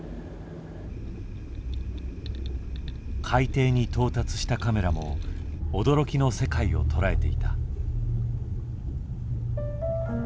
海底に到達したカメラも驚きの世界を捉えていた。